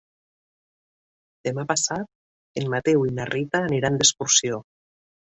Demà passat en Mateu i na Rita aniran d'excursió.